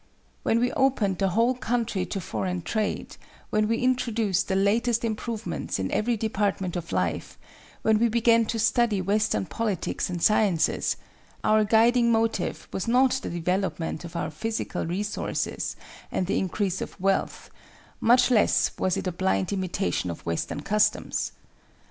When we opened the whole country to foreign trade, when we introduced the latest improvements in every department of life, when we began to study Western politics and sciences, our guiding motive was not the development of our physical resources and the increase of wealth; much less was it a blind imitation of Western customs.